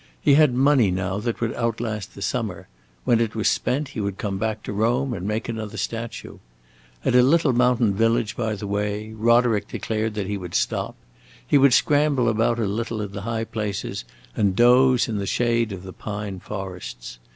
He had money, now, that would outlast the summer; when it was spent he would come back to Rome and make another statue. At a little mountain village by the way, Roderick declared that he would stop; he would scramble about a little in the high places and doze in the shade of the pine forests.